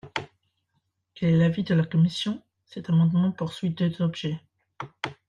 Quel est l’avis de la commission ? Cet amendement poursuit deux objets.